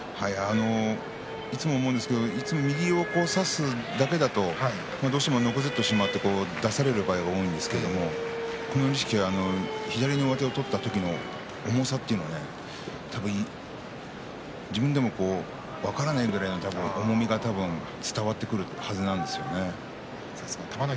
いつも思うんですが右を差すだけではどうしても出される場合が多いんですけれどこの力士は左で上手を取った時の重さというのは、自分でも分からないんじゃないかというぐらいの重みが伝わってくるはずなんですね。